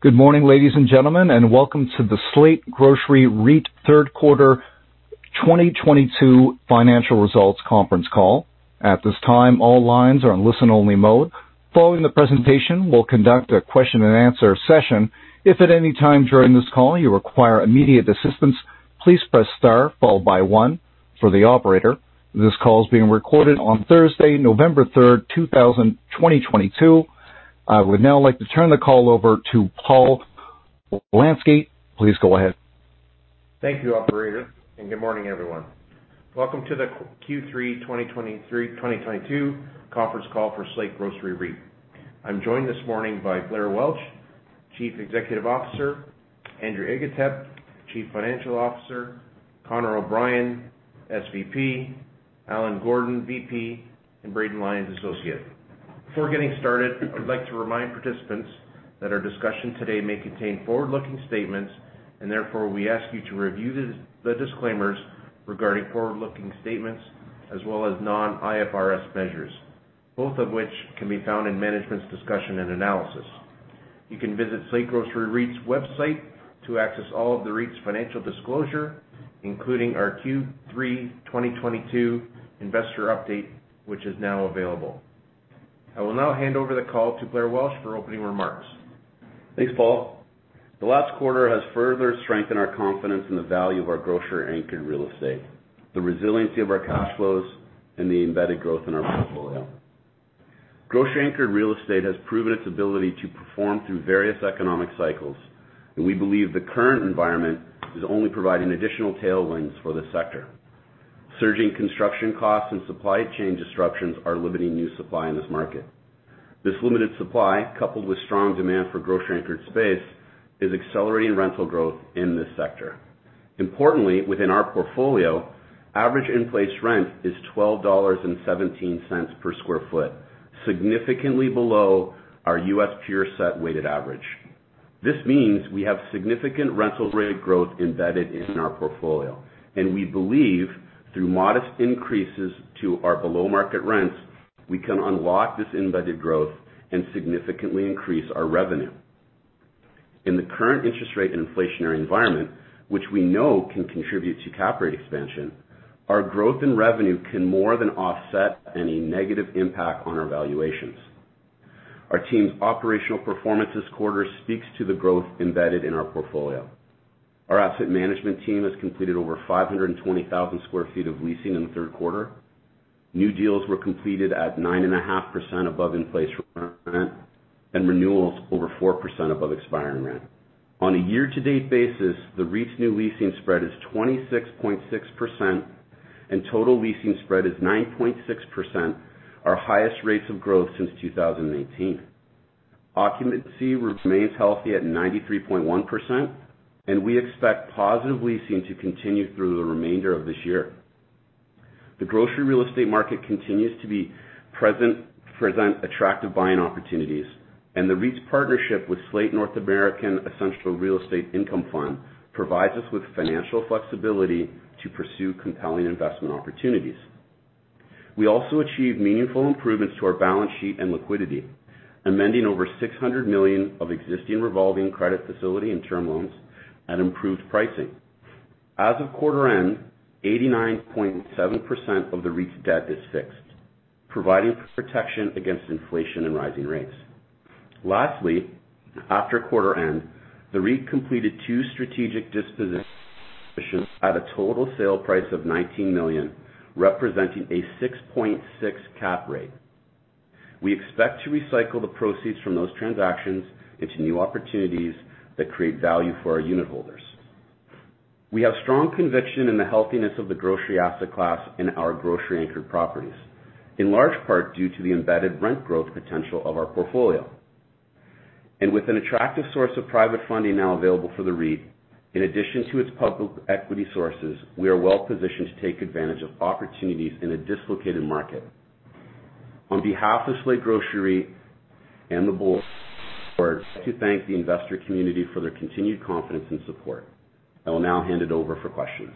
Good morning, ladies and gentlemen, and welcome to the Slate Grocery REIT Third Quarter 2022 Financial Results Conference Call. At this time, all lines are on listen-only mode. Following the presentation, we'll conduct a question-and-answer session. If at any time during this call you require immediate assistance, please press star followed by one for the operator. This call is being recorded on Thursday, November 3, 2022. I would now like to turn the call over to Paul Wolanski. Please go ahead. Thank you, operator, and good morning, everyone. Welcome to the Q3 2022 conference call for Slate Grocery REIT. I'm joined this morning by Blair Welch, Chief Executive Officer, Andrew Agatep, Chief Financial Officer, Connor O'Brien, SVP, Allen Gordon, VP, and Braden Lyons, associate. Before getting started, I would like to remind participants that our discussion today may contain forward-looking statements, and therefore we ask you to review the disclaimers regarding forward-looking statements as well as non-IFRS measures, both of which can be found in management's discussion and analysis. You can visit Slate Grocery REIT's website to access all of the REIT's financial disclosure, including our Q3 2022 investor update, which is now available. I will now hand over the call to Blair Welch for opening remarks. Thanks, Paul. The last quarter has further strengthened our confidence in the value of our grocery-anchored real estate, the resiliency of our cash flows, and the embedded growth in our portfolio. Grocery-anchored real estate has proven its ability to perform through various economic cycles, and we believe the current environment is only providing additional tailwinds for the sector. Surging construction costs and supply chain disruptions are limiting new supply in this market. This limited supply, coupled with strong demand for grocery-anchored space, is accelerating rental growth in this sector. Importantly, within our portfolio, average in-place rent is $12.17 per sq ft, significantly below our U.S. peer set weighted average. This means we have significant rental rate growth embedded in our portfolio, and we believe through modest increases to our below-market rents, we can unlock this embedded growth and significantly increase our revenue. In the current interest rate and inflationary environment, which we know can contribute to cap rate expansion, our growth in revenue can more than offset any negative impact on our valuations. Our team's operational performance this quarter speaks to the growth embedded in our portfolio. Our asset management team has completed over 520,000 sq ft of leasing in the third quarter. New deals were completed at 9.5% above in-place rent and renewals over 4% above expiring rent. On a year-to-date basis, the REIT's new leasing spread is 26.6%, and total leasing spread is 9.6%, our highest rates of growth since 2018. Occupancy remains healthy at 93.1%, and we expect positive leasing to continue through the remainder of this year. The grocery real estate market continues to present attractive buying opportunities, and the REIT's partnership with Slate North American Essential Real Estate Income Fund provides us with financial flexibility to pursue compelling investment opportunities. We also achieved meaningful improvements to our balance sheet and liquidity, amending over $600 million of existing revolving credit facility and term loans at improved pricing. As of quarter end, 89.7% of the REIT's debt is fixed, providing protection against inflation and rising rates. Lastly, after quarter end, the REIT completed two strategic dispositions at a total sale price of $19 million, representing a 6.6 cap rate. We expect to recycle the proceeds from those transactions into new opportunities that create value for our unitholders. We have strong conviction in the healthiness of the grocery asset class in our grocery-anchored properties, in large part due to the embedded rent growth potential of our portfolio. With an attractive source of private funding now available for the REIT, in addition to its public equity sources, we are well positioned to take advantage of opportunities in a dislocated market. On behalf of Slate Grocery and the board, I'd like to thank the investor community for their continued confidence and support. I will now hand it over for questions.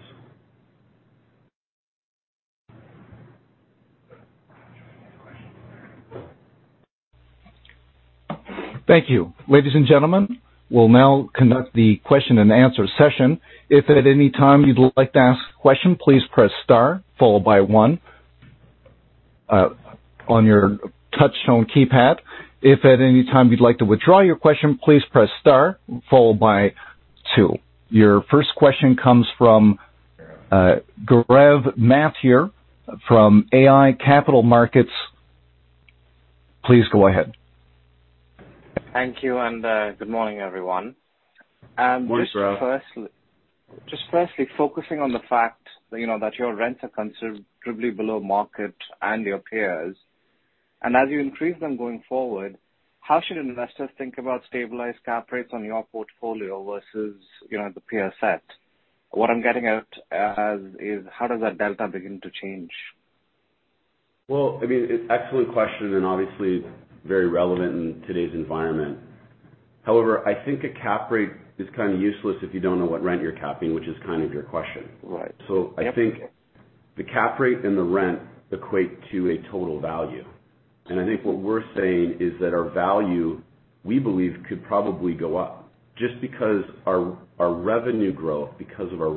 Thank you. Ladies and gentlemen, we'll now conduct the question-and-answer session. If at any time you'd like to ask a question, please press star followed by one on your touchtone keypad. If at any time you'd like to withdraw your question, please press star followed by two. Your first question comes from Gaurav Mathur from iA Capital Markets. Please go ahead. Thank you, and good morning, everyone. Good morning, Gaurav. Just firstly focusing on the fact that, you know, that your rents are considerably below market and your peers, and as you increase them going forward, how should investors think about stabilized cap rates on your portfolio versus, you know, the peer set? What I'm getting at is how does that delta begin to change? Well, I mean, it's excellent question and obviously very relevant in today's environment. However, I think a cap rate is kind of useless if you don't know what rent you're capping, which is kind of your question. Right. I think the cap rate and the rent equate to a total value. I think what we're saying is that our value, we believe, could probably go up just because our revenue growth because of our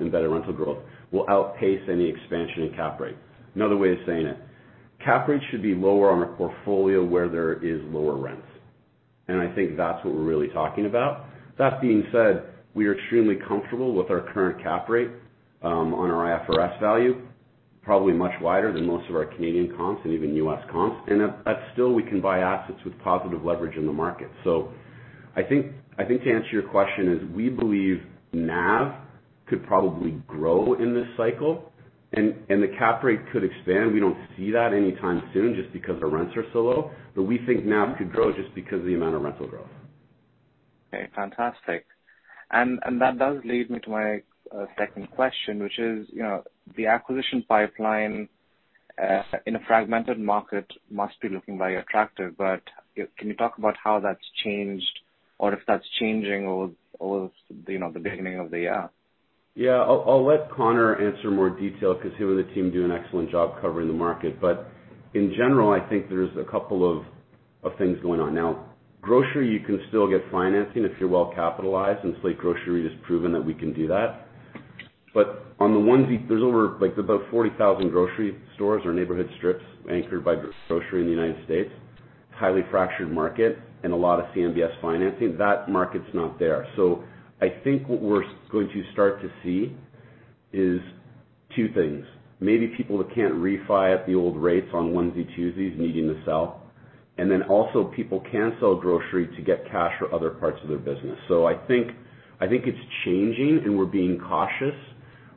embedded rental growth will outpace any expansion in cap rate. Another way of saying it, cap rates should be lower on our portfolio where there is lower rents. I think that's what we're really talking about. That being said, we are extremely comfortable with our current cap rate on our IFRS value, probably much wider than most of our Canadian comps and even US comps. Yet still we can buy assets with positive leverage in the market. I think to answer your question is we believe NAV could probably grow in this cycle and the cap rate could expand. We don't see that anytime soon just because our rents are so low, but we think NAV could grow just because of the amount of rental growth. Okay, fantastic. That does lead me to my second question, which is, you know, the acquisition pipeline in a fragmented market must be looking very attractive. Can you talk about how that's changed or if that's changing or you know, the beginning of the year? Yeah. I'll let Connor answer in more detail because he and the team do an excellent job covering the market. In general, I think there's a couple of things going on. Now, grocery, you can still get financing if you're well capitalized, and Slate Grocery has proven that we can do that. On the onesie, there's over, like, about 40,000 grocery stores or neighborhood strips anchored by grocery in the United States. It's a highly fragmented market and a lot of CMBS financing. That market's not there. I think what we're going to start to see is two things. Maybe people that can't refi at the old rates on onesie, twosies needing to sell, and then also people can sell grocery to get cash for other parts of their business. I think it's changing and we're being cautious,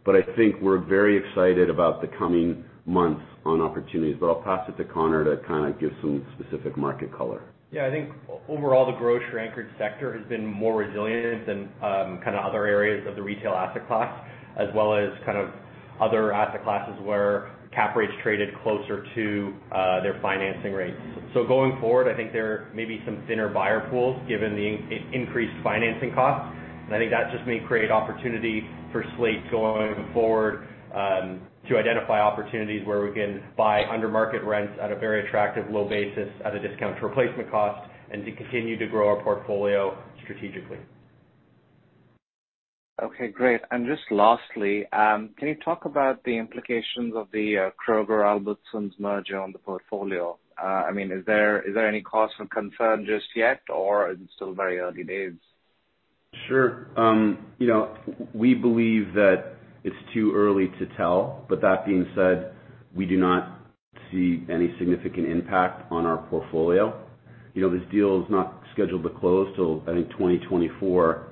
but I think we're very excited about the coming months on opportunities. I'll pass it to Connor to kind of give some specific market color. Yeah. I think overall the grocery-anchored sector has been more resilient than kind of other areas of the retail asset class, as well as kind of other asset classes where cap rates traded closer to their financing rates. Going forward, I think there may be some thinner buyer pools given the increased financing costs. I think that just may create opportunity for Slate going forward to identify opportunities where we can buy under market rents at a very attractive low basis at a discount to replacement cost and to continue to grow our portfolio strategically. Okay, great. Just lastly, can you talk about the implications of the Kroger-Albertsons merger on the portfolio? I mean, is there any cause for concern just yet, or is it still very early days? Sure. You know, we believe that it's too early to tell. That being said, we do not see any significant impact on our portfolio. You know, this deal is not scheduled to close till, I think, 2024,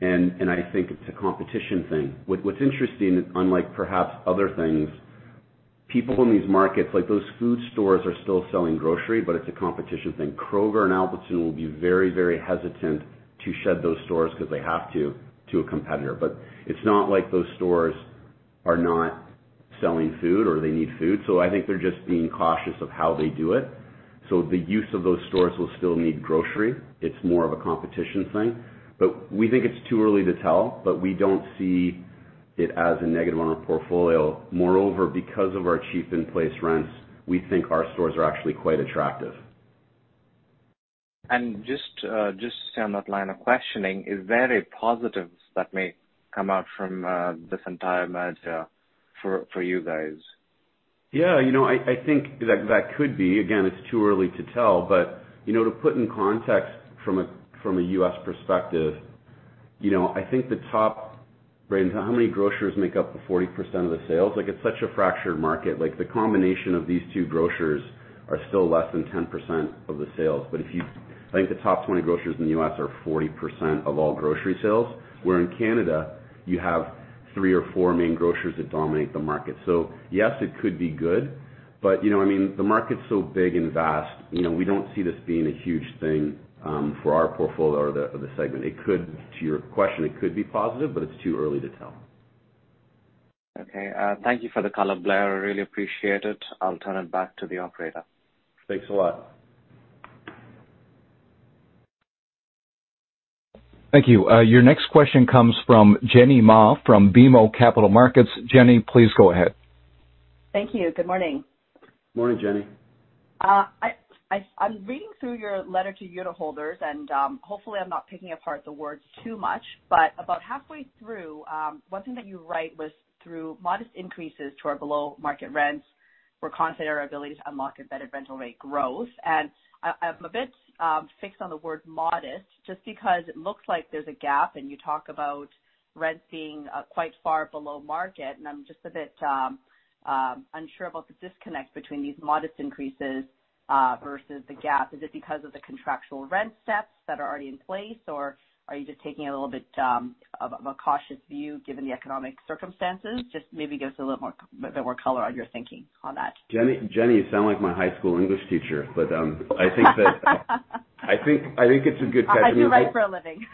and I think it's a competition thing. What's interesting, unlike perhaps other things, people in these markets, like those food stores are still selling grocery, but it's a competition thing. Kroger and Albertsons will be very hesitant to shed those stores because they have to a competitor. It's not like those stores are not selling food or they need food. I think they're just being cautious of how they do it. The use of those stores will still need grocery. It's more of a competition thing. We think it's too early to tell, but we don't see it as a negative on our portfolio. Moreover, because of our cheap in-place rents, we think our stores are actually quite attractive. Just stay on that line of questioning, is there a positive that may come out from this entire merger for you guys? Yeah. You know, I think that could be. Again, it's too early to tell. You know, to put in context from a U.S. perspective, you know, I think the top brands. How many grocers make up the 40% of the sales? Like, it's such a fractured market. Like, the combination of these two grocers are still less than 10% of the sales. I think the top 20 grocers in the U.S. are 40% of all grocery sales. Where in Canada you have three or four main grocers that dominate the market. Yes, it could be good, but, you know, I mean, the market's so big and vast, you know, we don't see this being a huge thing, for our portfolio or the segment. To your question, it could be positive, but it's too early to tell. Okay. Thank you for the color, Blair. I really appreciate it. I'll turn it back to the operator. Thanks a lot. Thank you. Your next question comes from Jenny Ma from BMO Capital Markets. Jenny, please go ahead. Thank you. Good morning. Morning, Jenny. I'm reading through your letter to unitholders, and hopefully I'm not picking apart the words too much. About halfway through, one thing that you write was through modest increases to our below market rents, we're confident our ability to unlock embedded rental rate growth. I'm a bit fixed on the word modest just because it looks like there's a gap and you talk about rents being quite far below market, and I'm just a bit unsure about the disconnect between these modest increases versus the gap. Is it because of the contractual rent steps that are already in place, or are you just taking a little bit of a cautious view given the economic circumstances? Just maybe give us a bit more color on your thinking on that. Jenny, you sound like my high school English teacher, but I think it's a good question. I do write for a living.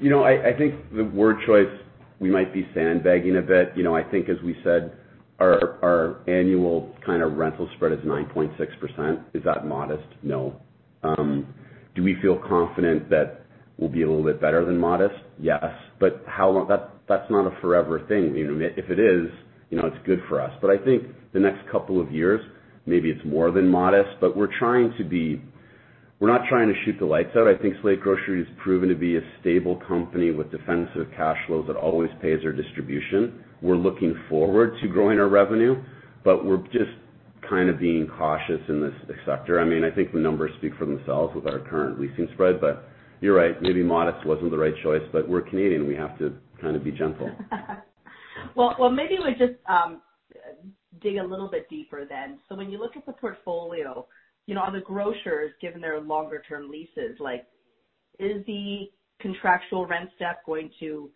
You know, I think the word choice, we might be sandbagging a bit. You know, I think as we said, our annual kind of rental spread is 9.6%. Is that modest? No. Do we feel confident that we'll be a little bit better than modest? Yes. How long? That, that's not a forever thing. You know, if it is, you know, it's good for us. I think the next couple of years, maybe it's more than modest, but we're trying to be. We're not trying to shoot the lights out. I think Slate Grocery REIT has proven to be a stable company with defensive cash flows that always pays their distribution. We're looking forward to growing our revenue, but we're just kind of being cautious in this sector. I mean, I think the numbers speak for themselves with our current leasing spread. You're right, maybe modest wasn't the right choice, but we're Canadian, we have to kind of be gentle. Well, maybe we just dig a little bit deeper then. When you look at the portfolio, you know, are the grocers giving their longer term leases? Like, is the contractual rent step going to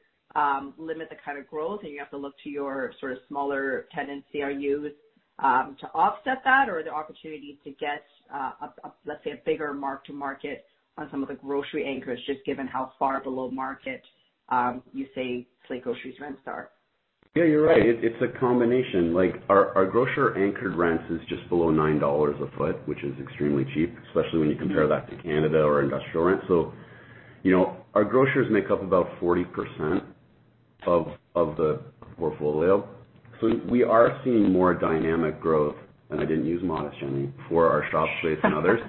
limit the kind of growth, and you have to look to your sort of smaller tenant CRUs to offset that? Or are the opportunity to get a let's say a bigger mark to market on some of the grocery anchors, just given how far below market you say Slate Grocery's rents are. Yeah, you're right. It's a combination. Like, our grocery-anchored rents is just below $9 a sq ft, which is extremely cheap, especially when you compare that to Canada or industrial rent. You know, our grocers make up about 40% of the portfolio. We are seeing more dynamic growth, and I didn't use modest, Jenny, for our shop space and others.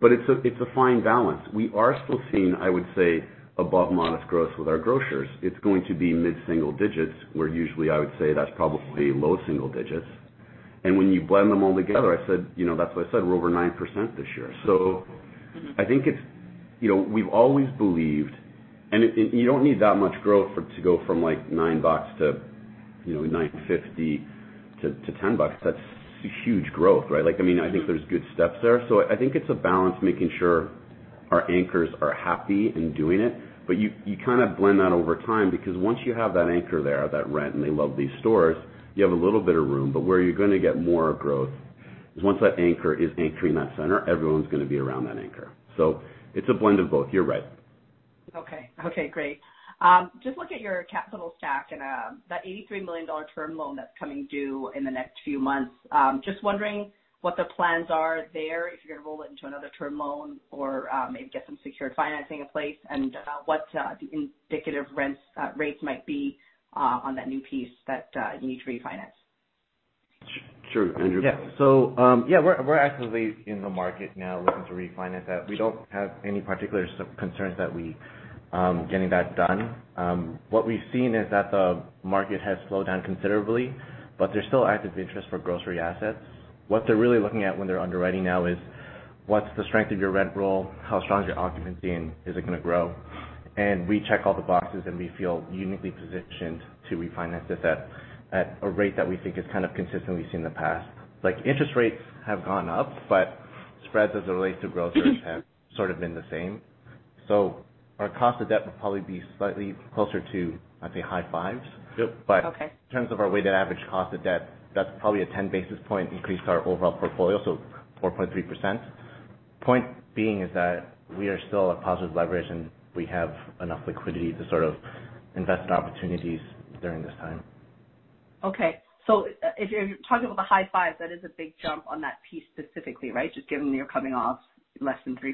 It's a fine balance. We are still seeing, I would say, above modest growth with our grocers. It's going to be mid-single digits, where usually I would say that's probably low single digits. When you blend them all together, I said, you know, that's why I said we're over 9% this year. I think it's. You know, we've always believed. You don't need that much growth for to go from, like, $9 to, you know, $9.50 to $10. That's huge growth, right? Like, I mean, I think there's good steps there. I think it's a balance making sure our anchors are happy in doing it. You kind of blend that over time, because once you have that anchor there, that rent, and they love these stores, you have a little bit of room. Where you're gonna get more growth is once that anchor is anchoring that center, everyone's gonna be around that anchor. It's a blend of both. You're right. Okay, great. Just look at your capital stack and that $83 million term loan that's coming due in the next few months. Just wondering what the plans are there. If you're gonna roll it into another term loan or maybe get some secured financing in place. What the indicative rates might be on that new piece that you need to refinance. Sure. Andrew? We're actively in the market now looking to refinance that. We don't have any particular concerns that we're getting that done. What we've seen is that the market has slowed down considerably, but there's still active interest for grocery assets. What they're really looking at when they're underwriting now is, what's the strength of your rent roll, how strong is your occupancy, and is it gonna grow? We check all the boxes, and we feel uniquely positioned to refinance this at a rate that we think is kind of consistently seen in the past. Like, interest rates have gone up, but spreads as it relates to grocers have sort of been the same. Our cost of debt would probably be slightly closer to, I'd say, high fives. Yep. Okay. In terms of our weighted average cost of debt, that's probably a 10 basis point increase to our overall portfolio, so 4.3%. Point being is that we are still a positive leverage, and we have enough liquidity to sort of invest in opportunities during this time. Okay. If you're talking about the high fives, that is a big jump on that piece specifically, right? Just given that you're coming off less than 3%.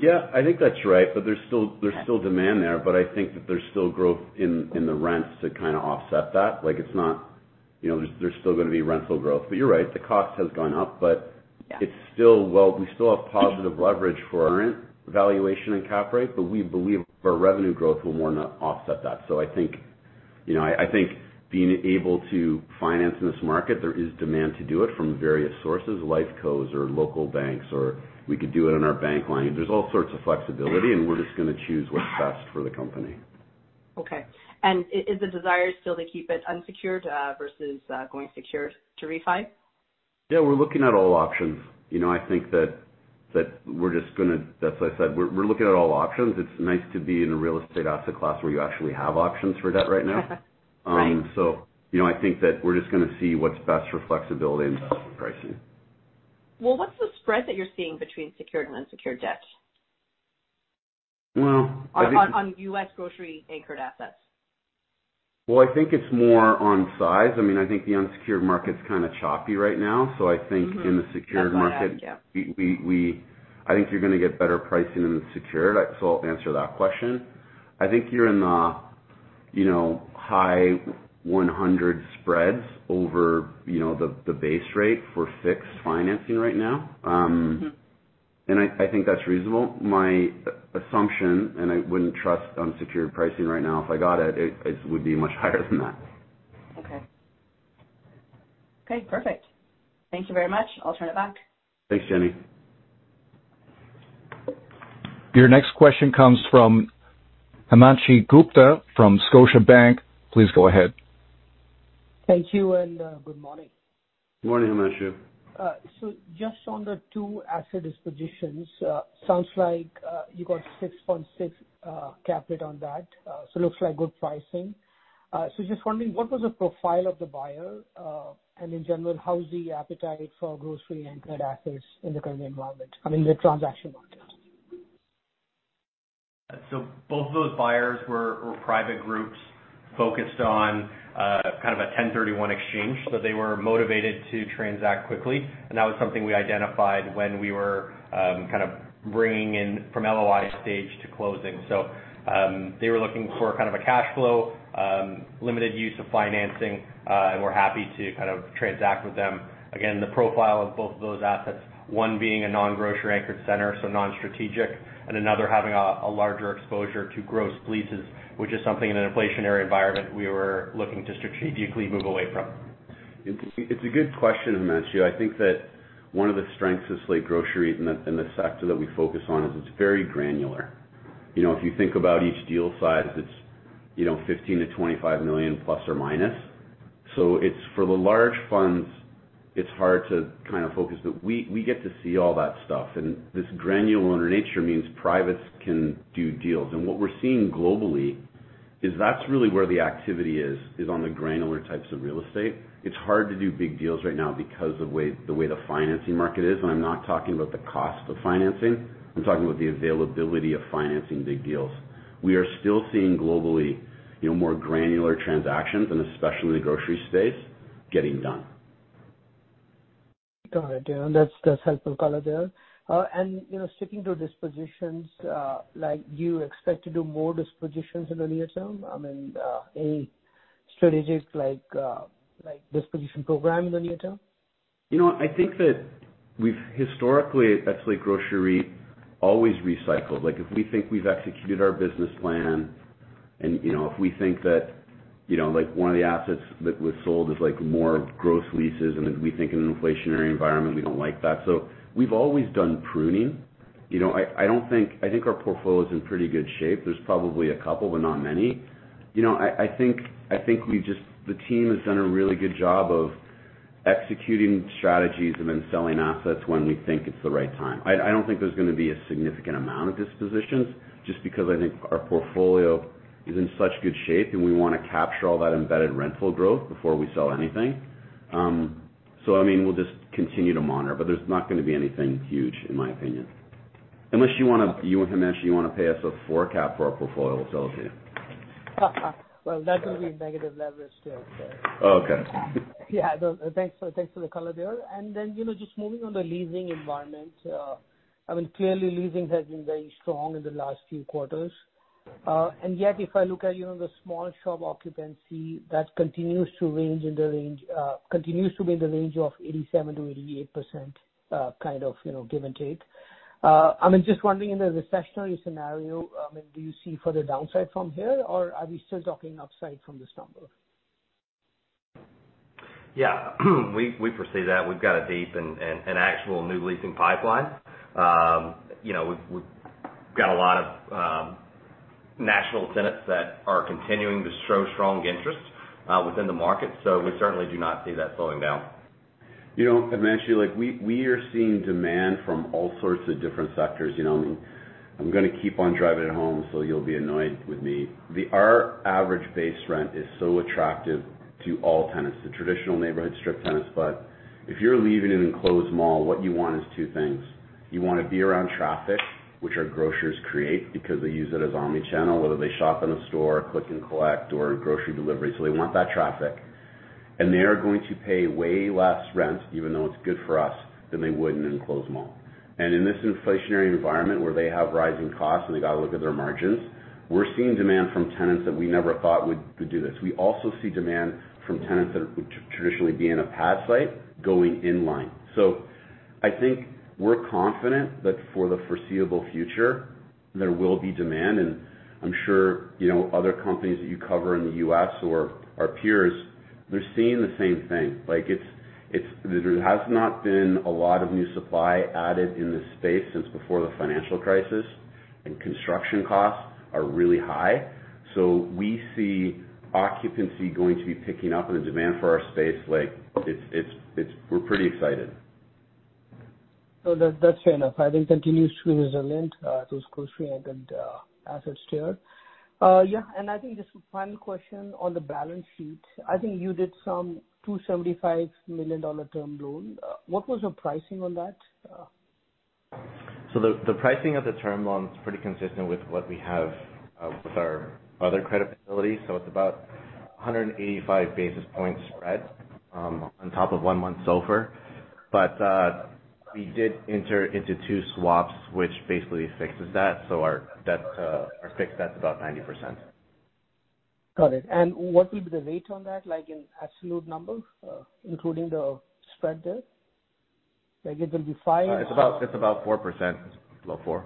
Yeah. I think that's right, but there's still demand there, but I think that there's still growth in the rents to kinda offset that. Like, it's not, you know, there's still gonna be rental growth. You're right, the cost has gone up. Yeah. Well, we still have positive leverage for our rent valuation and cap rate, but we believe our revenue growth will more than offset that. I think, you know, being able to finance in this market, there is demand to do it from various sources, life cos or local banks, or we could do it on our bank line. There's all sorts of flexibility, and we're just gonna choose what's best for the company. Okay. Is the desire still to keep it unsecured, versus, going secured to refi? Yeah, we're looking at all options. You know, that's why I said we're looking at all options. It's nice to be in a real estate asset class where you actually have options for debt right now. Right. You know, I think that we're just gonna see what's best for flexibility and pricing. Well, what's the spread that you're seeing between secured and unsecured debt? Well, I think. On U.S. grocery-anchored assets. Well, I think it's more on size. I mean, I think the unsecured market's kinda choppy right now. Mm-hmm. I think in the secured market. That's why I asked. Yeah. I think you're gonna get better pricing in the secured. I'll answer that question. I think you're in the, you know, high 100 spreads over, you know, the base rate for fixed financing right now. And I think that's reasonable. My assumption, and I wouldn't trust unsecured pricing right now if I got it would be much higher than that. Okay. Perfect. Thank you very much. I'll turn it back. Thanks, Jenny. Your next question comes from Himanshu Gupta from Scotiabank. Please go ahead. Thank you, and good morning. Good morning, Himanshu. Just on the two asset dispositions, sounds like you got 6.6 cap rate on that, so looks like good pricing. Just wondering, what was the profile of the buyer? In general, how's the appetite for grocery-anchored assets in the current environment, I mean, the transaction market? Both of those buyers were private groups focused on kind of a 1031 exchange. They were motivated to transact quickly, and that was something we identified when we were kind of bringing in from LOI stage to closing. They were looking for kind of a cash flow limited use of financing, and we're happy to kind of transact with them. Again, the profile of both of those assets, one being a non-grocery-anchored center, so non-strategic, and another having a larger exposure to gross leases, which is something in an inflationary environment we were looking to strategically move away from. It's a good question, Himanshu. I think that one of the strengths of Slate Grocery in the sector that we focus on is it's very granular. You know, if you think about each deal size, it's, you know, $15 million-$25 million plus or minus. So it's for the large funds, it's hard to kind of focus. But we get to see all that stuff, and this granular nature means privates can do deals. What we're seeing globally is that's really where the activity is on the granular types of real estate. It's hard to do big deals right now because the way the financing market is, and I'm not talking about the cost of financing, I'm talking about the availability of financing big deals. We are still seeing globally, you know, more granular transactions and especially the grocery space getting done. Got it. Yeah, that's helpful color there. You know, sticking to dispositions, like you expect to do more dispositions in the near term? I mean, any strategic like disposition program in the near term? You know what, I think that we've historically at Slate Grocery always recycled. Like if we think we've executed our business plan and, you know, if we think that, you know, like one of the assets that was sold is like more gross leases, and we think in an inflationary environment we don't like that. We've always done pruning. You know, I don't think. I think our portfolio is in pretty good shape. There's probably a couple, but not many. You know, I think the team has done a really good job of executing strategies and then selling assets when we think it's the right time. I don't think there's gonna be a significant amount of dispositions just because I think our portfolio is in such good shape, and we wanna capture all that embedded rental growth before we sell anything. I mean, we'll just continue to monitor, but there's not gonna be anything huge in my opinion. Unless you wanna, Himanshu, pay us a 4 cap for our portfolio, I'll sell it to you. Well, that will be negative leverage still, so. Okay. Yeah. No, thanks for the color there. Just moving on to the leasing environment, you know, I mean, clearly leasing has been very strong in the last few quarters. Yet if I look at, you know, the small shop occupancy that continues to be in the range of 87%-88%, kind of, you know, give and take. I mean, just wondering in the recessionary scenario, do you see further downside from here, or are we still talking upside from this number? Yeah. We foresee that. We've got a deep and an actual new leasing pipeline. You know, we've got a lot of national tenants that are continuing to show strong interest within the market. We certainly do not see that slowing down. You know, Himanshu, like we are seeing demand from all sorts of different sectors. You know, I mean, I'm gonna keep on driving it home, so you'll be annoyed with me. Our average base rent is so attractive to all tenants, the traditional neighborhood strip tenants. But if you're leaving an enclosed mall, what you want is two things. You wanna be around traffic, which our grocers create because they use it as omnichannel, whether they shop in a store, click and collect or grocery delivery. So they want that traffic, and they are going to pay way less rent, even though it's good for us, than they would in an enclosed mall. In this inflationary environment where they have rising costs and they gotta look at their margins, we're seeing demand from tenants that we never thought would do this. We also see demand from tenants that would traditionally be in a pad site going inline. I think we're confident that for the foreseeable future there will be demand, and I'm sure you know other companies that you cover in the U.S. or our peers, they're seeing the same thing. Like it's there has not been a lot of new supply added in this space since before the financial crisis, and construction costs are really high. We see occupancy going to be picking up and the demand for our space, like it's we're pretty excited. No, that's fair enough. I think continues to be resilient, those grocery-anchored assets there. Yeah, I think just one question on the balance sheet. I think you did some $275 million term loan. What was your pricing on that? The pricing of the term loan is pretty consistent with what we have with our other credit facilities. It's about 185 basis points spread on top of one month SOFR. We did enter into two swaps, which basically fixes that. Our debt, our fixed debt's about 90%. Got it. What will be the rate on that, like in absolute numbers, including the spread there? Like it will be five- It's about 4%. Below 4%.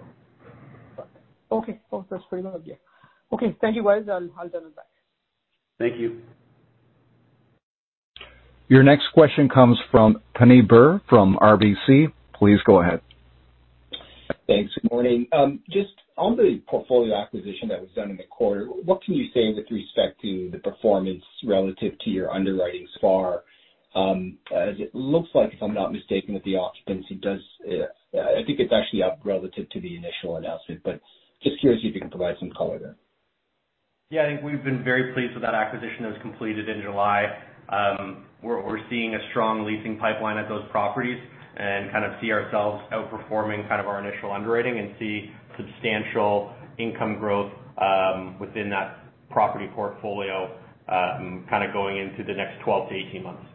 Okay. Oh, that's fair enough. Yeah. Okay. Thank you, guys. I'll jump back. Thank you. Your next question comes from Pammi Bir from RBC. Please go ahead. Thanks. Good morning. Just on the portfolio acquisition that was done in the quarter, what can you say with respect to the performance relative to your underwriting so far? As it looks like, if I'm not mistaken, that the occupancy does, I think it's actually up relative to the initial announcement, but just curious if you can provide some color there. Yeah, I think we've been very pleased with that acquisition that was completed in July. We're seeing a strong leasing pipeline at those properties and kind of see ourselves outperforming kind of our initial underwriting and see substantial income growth within that property portfolio, kinda going into the next 12-18 months.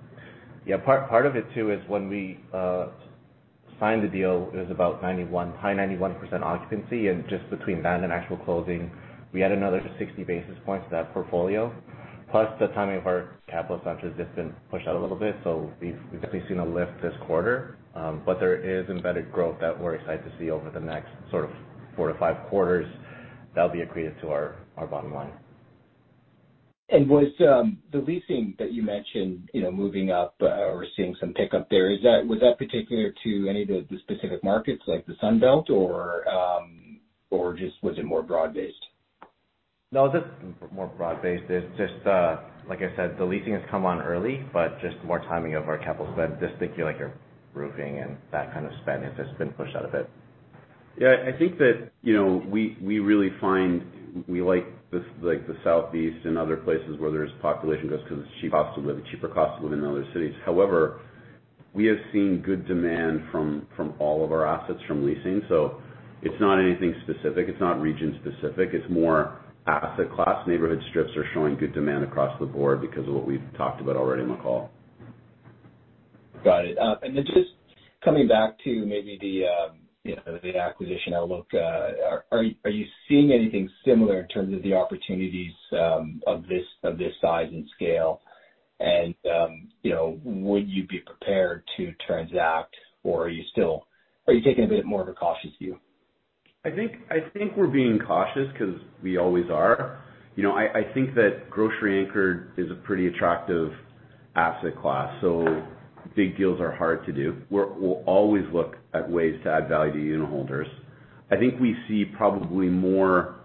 Part of it too is when we signed the deal, it was about high 91% occupancy. Just between that and actual closing, we had another 60 basis points to that portfolio. Plus the timing of our capital centers just been pushed out a little bit, so we've definitely seen a lift this quarter. There is embedded growth that we're excited to see over the next sort of 4-5 quarters that'll be accretive to our bottom line. Was the leasing that you mentioned, you know, moving up or seeing some pickup there, was that particular to any of the specific markets like the Sun Belt or just was it more broad-based? No, just more broad-based. It's just, like I said, the leasing has come on early, but just more timing of our capital spend, just, things like your roofing and that kind of spend has just been pushed out a bit. Yeah. I think that, you know, we really like the, like, the Southeast and other places where there's population growth because it's cheap cost to live, cheaper cost to live than other cities. However, we have seen good demand from all of our assets from leasing. So it's not anything specific. It's not region specific. It's more asset class. Neighborhood strips are showing good demand across the board because of what we've talked about already in the call. Got it. Just coming back to maybe the, you know, the acquisition outlook, are you seeing anything similar in terms of the opportunities of this size and scale? You know, would you be prepared to transact, or are you still taking a bit more of a cautious view? I think we're being cautious because we always are. You know, I think that grocery-anchored is a pretty attractive asset class, so big deals are hard to do. We'll always look at ways to add value to unitholders. I think we see probably more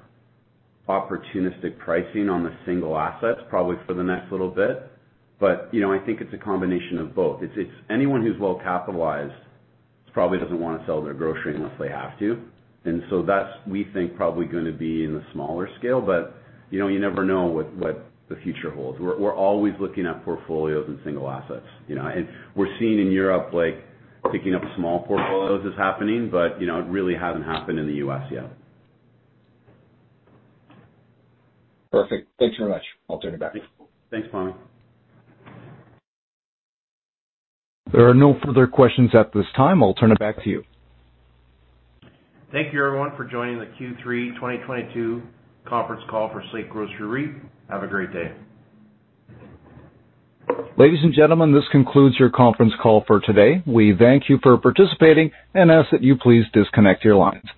opportunistic pricing on the single assets probably for the next little bit. You know, I think it's a combination of both. It's anyone who's well capitalized probably doesn't wanna sell their grocery unless they have to. That's, we think, probably gonna be in the smaller scale. You know, you never know what the future holds. We're always looking at portfolios and single assets, you know. We're seeing in Europe, like, picking up small portfolios is happening, but, you know, it really hasn't happened in the U.S. yet. Perfect. Thanks very much. I'll turn it back. Thanks, Pammi. There are no further questions at this time. I'll turn it back to you. Thank you everyone for joining the Q3 2022 conference call for Slate Grocery REIT. Have a great day. Ladies and gentlemen, this concludes your conference call for today. We thank you for participating and ask that you please disconnect your lines.